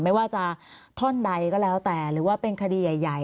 ไม่ว่าจะท่อนใดก็แล้วแต่หรือว่าเป็นคดีใหญ่